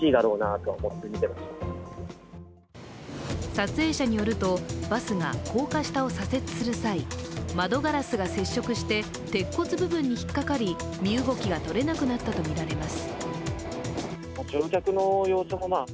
撮影者によると、バスが高架下を左折する際、窓ガラスが接触して鉄骨部分に引っかかり身動きがとれなくなったとみられます。